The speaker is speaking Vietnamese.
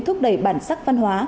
thúc đẩy bản sắc văn hóa